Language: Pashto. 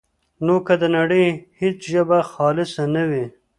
نو که د نړۍ هېڅ ژبه خالصه نه وي،